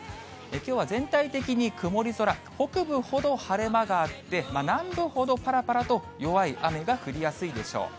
きょうは全体的に曇り空、北部ほど晴れ間があって、南部ほどぱらぱらと弱い雨が降りやすいでしょう。